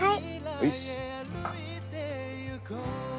よし。